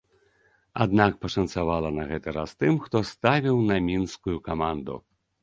Аднак пашанцавала на гэты раз тым, хто ставіў на мінскую каманду.